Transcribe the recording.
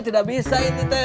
tidak bisa ini teh